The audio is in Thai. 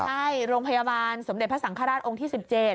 ใช่โรงพยาบาลสมเด็จพระสังฆราชองค์ที่๑๗